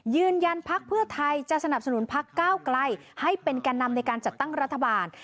ยืนยันพรรคเพื่อไทยจะสนับสนุนพรรคก้าวไกลให้เป็นการนำในการจัดตั้งรัฐบาล